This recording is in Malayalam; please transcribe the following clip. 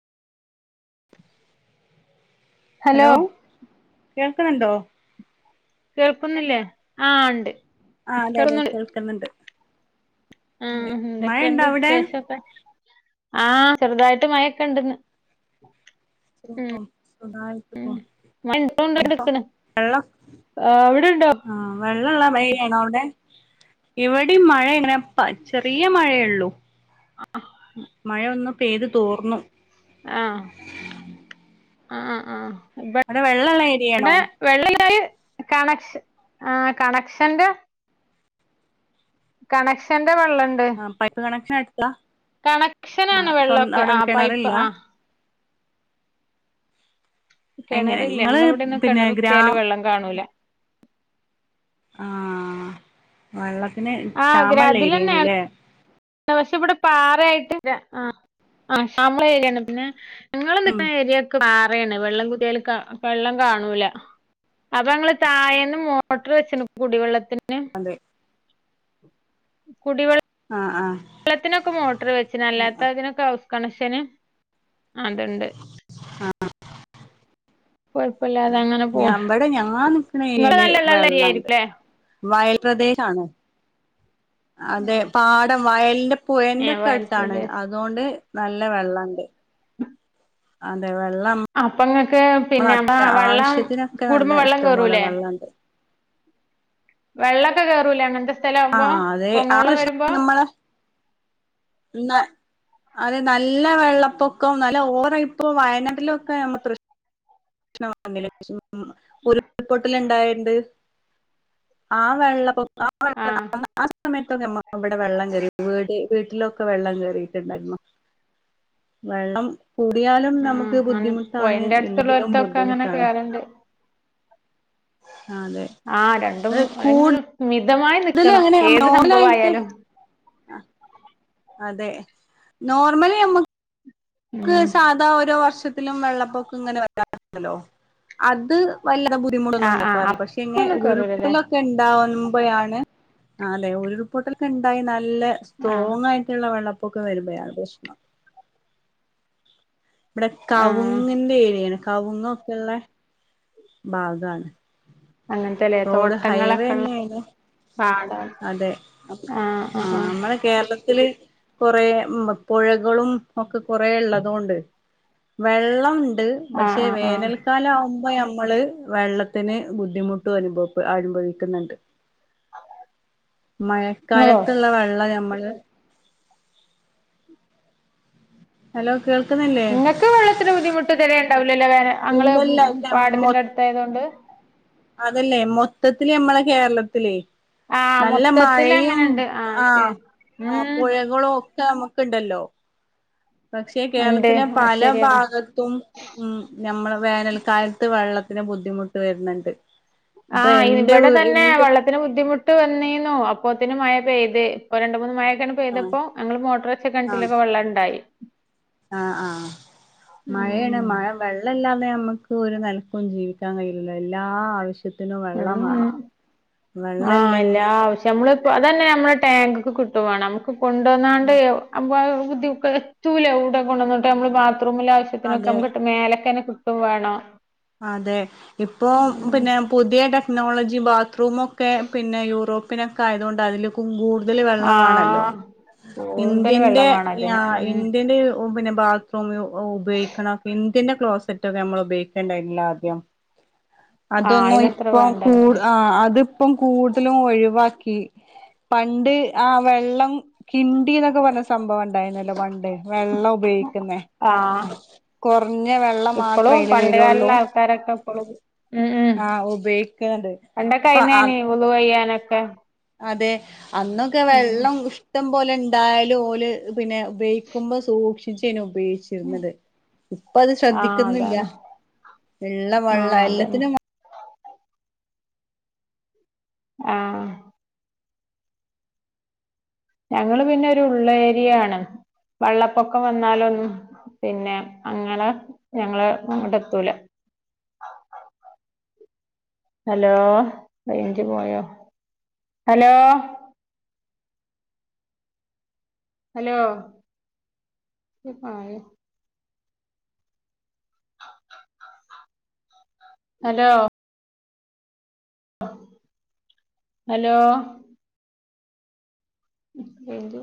ഹലോ കേൾക്കുന്നണ്ടോ? കേൾക്കുന്നില്ലേ ആ ഉണ്ട് ആ അതെ അതെ കേൾക്കുന്നുണ്ട്. ആഹ അതെ മഴയുണ്ടോ എന്തൊക്കെണ്ട് വി അവിടെ ശേഷംക്കെ ആഹ ചെറുതായിട്ട് മഴൊക്കെ ഇണ്ടന്ന്. ശക്ക സുഗായിട്ട് പൊന്നു ഇപ്പ എള്ളോ ആ എവിടെണ്ടോ. വെള്ളള്ള ഏരിയാണോ അവിടെ ഇവിടെ മഴ എങ്ങനെപ്പ ചെറിയ മഴയള്ളൂ. ആ മഴയ ഒന്ന പെയ്ത് തോർന്നു. ആഹ ആഹ ആഹ അടെ വെള്ളള്ള എരിയാണോ? വെള്ളിയായി കണക്ഷൻ ആ കണക്ഷന്റെ കണക്ഷന്റെ വെള്ളണ്ട് ആ പൈപ്പ് കണക്ഷൻ എടുത്ത ആ കണക്ഷനാണ് സ്വ വെള്ളക്കെ അവിടെ ആ പൈപ്പ് കിണറില്ല ആ എങ്ങനെ കിണറില്ലല്ല നിങ്ങള് ഞങ്ങള ഇവിടെന്നും പിന്നെ ഗ്രാ കിണർത്തിയാലല് വെള്ളം കാണൂല ആ വെള്ളത്തിന് ക്ഷമള്ള ഏരിയന്നലെ. ശ ഇവിടെ പാറ ആയിട്ട് ആ ആ ശാമ്ളം രിയാണ് പിന്നെ ഉം ഞങ്ങല്നിക്കണ ഏരിയൊക്കെ പാ റണ് വെള്ളം കുതിയാല് വെള്ളം കാണൂല. അപ്പൊ ങ്ങള് താഴേന്ന് മോട്ടർ വെച്ചന് കുടിവെള്ളത്തിന് അതെ കുടിവെള ആഹ ആഹ വെള്ളത്തിനൊക്കെ മോട്ടർ വെച്ചന് അല്ലാത്തതിനൊക്കെ ഹൗസ് കണക്ഷന് അതണ്ട് ആഹ കൊഴപ്പല്ലാതെ അങ്ങനെ പോണ് ഞബടെ ഞങ്ങാ നിക്കണ ഇങ്ങള് ഏരില് നല്ല വെള്ളള്ള വെള്ളണ്ട് ഏരിയായിരിക്കുംല്ലേ വയൽ പ്രദേശ ആണോ അതെ പാടം വയലിന്റെ പുഴന്റെ ഏഹ് ഒക്കെ വയൽ അടുത്താണ്. പ്രദേശം അതുകൊണ്ട് നല്ല വെള്ളണ്ട്. അതെ വെള്ളം. അപ്പൊ ഇങ്ങക്ക് നമ്മള പിന്നെ അപ്പ വെള്ളം ആവശ്യത്തിനൊക്കെ കൂടുമ്പോ തന്നെ വെള്ളം ഇഷ്ടം പോലെ കേറൂലേ വെള്ളണ്ട്. വെള്ളക്കെ കേയറൂല അങ്ങനത്തെ സ്ഥലം ആവുമ്പോ ആഹ് അതെ ആ കൊങ്ങവളം വരുമ്പോ. പ്രശ്നം നമ്മള് അതെ നല്ല വെള്ളപ്പൊക്കെ നല്ല ഓറ ഇപ്പോ വയനാട്ടിലൊക്കെ നമ്മ ഉരുൾ പൊട്ടല് ഇണ്ടായോണ്ട് ആഹ് വെള്ളപ്പോക്ക [unintelligible] ആഹ് സമയത്തൊക്കെ ഞമ്മ ഇവിടെ വെള്ളം കെറി വീട് വീട്ടിലൊക്കെ വെള്ളം കയറിയിട്ടുണ്ടായിര്ന്നു വെള്ളം കൂടിയാലും ആഹ് നമ്മുക്ക് അങ്ങനെ ബുദ്ധിമുട്ടാണ് പൊഴന്റെ ഇല്ലെങ്കിലും അടുത്തുള്ളോര്ത്തൊക്കെ അങ്ങനെ ബുദ്ധിമുട്ടാണ് കേറണ്ട് അലെ ആഹ് രണ്ടും അല്ലെങ്കിലും മിതമായി നിൽക്കണം ഏത് സംഭവ ആയാലും ആഹ് അതെ നോർമലി നമ്മു ക്ക് ഉം സാധാ ഓരോ വർഷത്തിലും വെള്ളപ്പൊക്ക ഇങ്ങനെ വരാറുണ്ടല്ലോ അത് വല്ലാതെ ബുദ്ധിമുട്ടൊന്നും ആഹ് ആഹ് ഉണ്ടാക്കാറില്ല പക്ഷെ ഇങ്ങനെ അപ്പൊന്നും ഉരുൾ കേറൂലല്ലേ ക്കെ ഉണ്ടകുമ്പോയാണ് ആഹ് അതെ ഉരുൾപൊട്ടലൊക്കെ ഇണ്ടായി നല്ല ആഹ് സ്ട്രോങ്ങ് ആയി ട്ടുള്ള വെള്ളപ്പൊക്കെ വരുമ്പോഴാണ് പ്രശ്നം ഇവിടെ ആഹ് കവുങ്ങിന്റെ ഏരിയാണ് കവുങ്ങൊക്കെള്ള ഭാഗാണ് അങ്ങനത്തെല്ലേ റോഡ് ഹൈവേ തോട്ടങ്ങളൊക്കെള്ള തന്നെയാണ് പാടാണ് അതെ ആഹ് നമ്മൾ കേരളത്തിൽ കൊറേ പുഴകളും ഒക്കെ കൊറേ ഉള്ളതുകൊണ്ട് വെള്ളം ഉണ്ട് ആഹ് പക്ഷെ ആഹ് ആഹ് വേനൽ മഴകാലാവുമ്പോ നമ്മൾ വെള്ളത്തിന് ബുദ്ധിമുട്ടും അനുഭവ അനുഭവിക്കുന്നുണ്ട് ഇങ്ങളോ? മഴക്കാലത്തുള്ള വെള്ളം നമ്മൾ ഹലോ കേൾക്കുന്നില്ലേ നിങ്ങൾക്ക് വെള്ളത്തിന് ബുദ്ധിമുട്ട് ഇതെരെ ണ്ടാവുല്ലല്ലോ വേന അങ്ങള് ഇല്ലല്ല ഉം ഇല്ല മൊ പാടത്തിന്റെ അടുത്തയതുകൊണ്ട് അതല്ലേ മൊത്തത്തിൽ നമ്മളെ കേരളത്തിൽ ആഹ് നല്ല മഴയും മൊത്തത്തിലങ്ങനെണ്ട് ആഹ് ശരി ഉം ആഹ് പുഴകളും ഒ നമുക്കുണ്ടല്ലോ പക്ഷെ ഇണ്ട് കേരളത്തിലെ അത് പല ശരിയാണ്. ഭാഗ ത്തും ഉം ഞമ്മൾ വേനൽക്കാലത്ത് വെള്ളത്തിന് ബുദ്ധിമുട്ട് വരുന്നുണ്ട് ഇപ്പൊ ആഹ് എന്റെ ഇവിടെ വീ ഇതന്നെ എന്റെ വെള്ള ത്തിന് ബുദ്ധിമുട്ട് വന്നീനൂ അപ്പോത്തിന് മഴ പെയ്ത് ഇപ്പോ രണ്ട്‌ മൂന്ന് മഴ ഒകെ ഇങ്ങെനെ ആഹ് പെയ്തപ്പോ ഞങ്ങൾ മോട്ടർ വെച്ച ആഹ് കെണട്ടിലൊക്കെ വെള്ളണ്ടായി ആഹ് ആഹ് മഴാണ് ഉം മഴ വെള്ളല്ലാതെ നമ്മുക്ക് ഒരു നെൽക്കും ജീവിക്കാൻ കഴിയില്ല എല്ലാ ആവശ്യ ത്തിനും വെള്ളം ഉം വേണം വെള്ളം ഇല്ലെങ്കിൽ നമ്മൾ പ്പോ അതന്നെ നമ്മളെ ടാങ്ക്ക്ക് കിട്ടും വാണം നമ്മുക്ക് കൊണ്ടോന്നാണ്ട് ബുദ്ധി എത്തൂല എവ്ടെ കൊണ്ടോന്നിട്ട് നമ്മൾ ബാത്റൂമില ആവശ്യത്തിനൊക്കെ അതെ നമുക്ക് മേലക്കന്നെ കിട്ടും വേണം അതെ ഇപ്പോ ഉം പിന്നെ പുതിയ ടെക്നോളജി ബാത്റൂമൊക്കെ പിന്നെ യൂറോ പിനോക്കെ ആയതുകൊണ്ട് അതിലുക്കും കൂ ടുതൽ വെള്ളമാണല്ലോ ആഹ് കൂടുതൽ ഇന്ത്യന്റെ വെള്ളം വേണം അതിന്. ഉം ഇന്ത്യന്റെ അപ്പോ പിന്നെ ബാത്റൂം ഉപയോഗിക്കണം ഇന്ത്യൻ്റെ ക്ലോസ്സെറ്റൊക്കെ നമ്മൾ ഉപയോഗി ക്ക്‌ണ്ടായിര്ന്നില്ലേ ആദ്യം ആഹ് അതൊന്നും അയിനത്ര ഇപ്പം കൂ വേണ്ടന്നില്ലേ. അത് ഇപ്പം കൂടുതലും ഒഴിവാക്കി പണ്ട് ആഹ് വെള്ളം കിണ്ടി ന്നൊക്കെ പറഞ്ഞ സംഭവം ഉണ്ടായിരുന്നല്ലോ പണ്ട് വെള്ളം ഉപയോഗിക്കുന്നെ ആഹ് കൊർഞ്ഞേ വെള്ളം മാത്രം അയിൽ ഇരട്ട ക്കുളം ആഹ് ഉപയോഗിക്ക്‌ന്ന്ണ്ട് പണ്ടൊക്കെ പ്പൊ അ അയിന്നേനി വുളു ചെയ്യാനൊക്കെ അതെ അന്നൊക്കെ ഉം വെള്ളം ഇഷ്ടം പോലെ ണ്ടായാലും ഓൽ പിന്നെ ഉപയോഗിക്കുമ്പോ സൂക്ഷിച്ചെനും ഉപയോഗി ചിരുന്നത് ഇപ്പ അത് ആഹ് ശ്രദ്ധിക്ക്‌ന്നില്ല അതാണ് ള്ള വെള്ള ആഹ് അതന്നെ എല്ലത്തിനും ആഹ് ഞങ്ങൾ പിന്നൊരു ഉള്ളേരിയാണ് വള്ളപ്പൊക്കം വന്നാലൊന്നും പിന്നെ അങ്ങളെ ഞങ്ങളെ അങ്ങട്ട് എത്തൂല അലോ റയ്ഞ്ച് പോയോ ഹലോ ഹലോ ഹലോ ഹലോ [unintelligible]